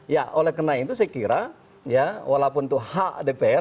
ya oleh karena itu saya kira ya walaupun itu hak dpr